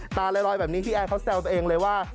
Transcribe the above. ตาลอยแบบนี้พี่แอนเขาแซวตัวเองเลยว่า